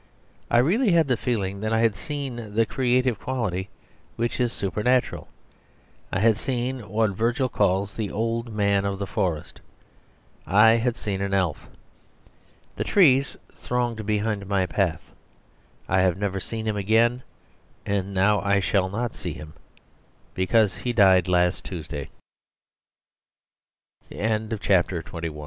I really had the feeling that I had seen the creative quality; which is supernatural. I had seen what Virgil calls the Old Man of the Forest: I had seen an elf. The trees thronged behind my path; I have never seen him again; and now I shall not see him, because he died last Tuesday. XXII. The Orthodox Barber Those t